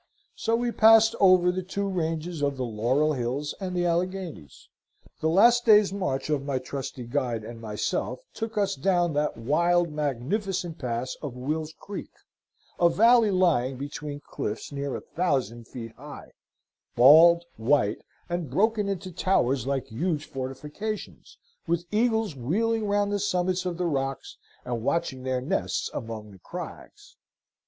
So we passed over the two ranges of the Laurel Hills and the Alleghanies. The last day's march of my trusty guide and myself took us down that wild, magnificent pass of Will's Creek, a valley lying between cliffs near a thousand feet high bald, white, and broken into towers like huge fortifications, with eagles wheeling round the summits of the rocks, and watching their nests among the crags.